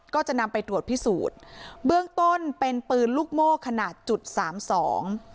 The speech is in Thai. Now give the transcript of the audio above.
ก็จะนำไปตรวจพิสูจน์เบื้องต้นเป็นปืนลูกโม่ขนาดจุดสามสอง